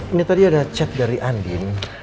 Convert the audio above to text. ini tadi ada chat dari andin